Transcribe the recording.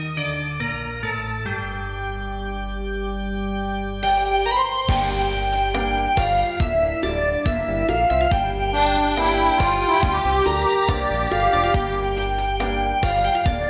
เยี่ยมนะครับ